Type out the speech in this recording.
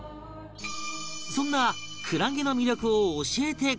そんなクラゲの魅力を教えてくれるのは